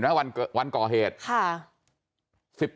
กลับไปลองกลับ